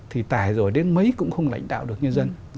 thì tài rồi đến mấy cũng không lãnh đạo được nhân dân